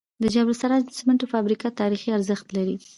د جبل السراج د سمنټو فابریکه تاریخي ارزښت لري.